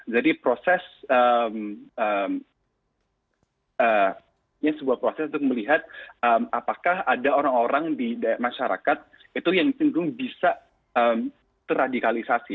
jadi prosesnya sebuah proses untuk melihat apakah ada orang orang di masyarakat itu yang bisa terradikalisasi